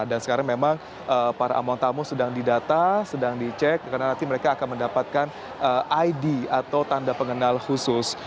dan sekarang memang para among tamu sedang didata sedang dicek karena nanti mereka akan mendapatkan id atau tanda pengenal khusus